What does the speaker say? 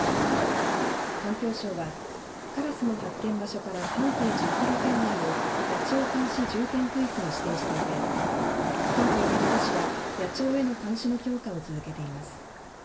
環境省は、からすの発見場所から半径１０キロ圏内を野鳥監視重点区域に指定していて県と山形市は野鳥への監視の強化を続けています。